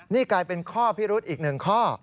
นี่กลายเป็นข้อพิรุธอีกหนึ่งข้อ